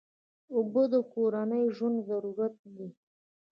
اوبه د کورنۍ ژوند ضرورت دی.